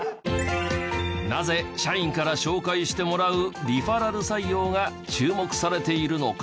なぜ社員から紹介してもらうリファラル採用が注目されているのか？